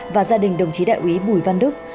và gia đình đồng chí đại quý bùi văn đức